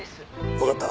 わかった。